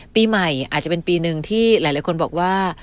ปีใหม่อาจจะเป็นปีหนึ่งที่หลายคนบอกว่า